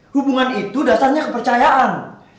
hubungan itu dasarnya kepercayaan